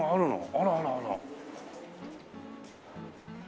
あらあらあら。